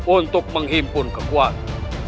untuk menghimpun kekuatan